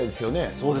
そうですね。